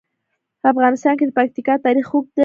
په افغانستان کې د پکتیکا تاریخ اوږد دی.